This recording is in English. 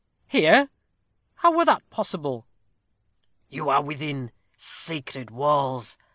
"Here! How were that possible?" "You are within sacred walls.